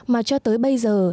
mà cho tới bây giờ